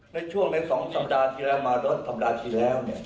ในช่วงใน๒สัปดาห์ที่แล้วมารถสัปดาห์ที่แล้ว